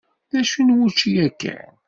D akud n wučči yakan.